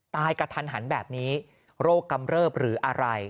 กระทันหันแบบนี้โรคกำเริบหรืออะไร